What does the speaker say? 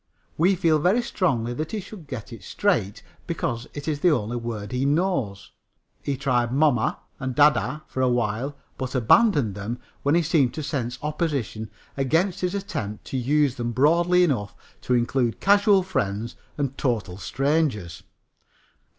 We feel very strongly that he should get it straight, because it is the only word he knows. He tried "moma" and "dayday" for a while, but abandoned them when he seemed to sense opposition against his attempt to use them broadly enough to include casual friends and total strangers.